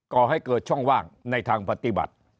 ก่อให้เกิดช่องว่างในทางปฏิบัติ